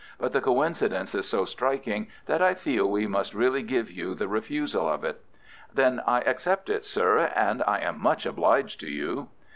"But the coincidence is so striking that I feel we must really give you the refusal of it." "Then I accept it, sir, and I am much obliged to you."